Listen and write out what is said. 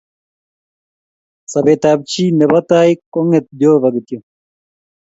Sobet ap chi ne bo tai konget Jehova kityok.